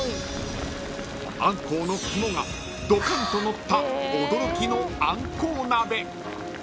［アンコウの肝がドカンとのった驚きのあんこう鍋］